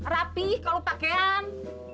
rapih kalau pakaian